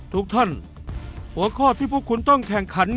ทุกท่านหัวข้อที่พวกคุณต้องแข่งขัน